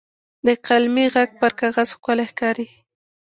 د قلمي ږغ پر کاغذ ښکلی ښکاري.